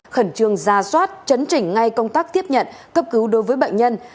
khẩn trương ra soát chấn chỉnh ngay công tác tiếp nhận cấp cứu đối với bệnh nhân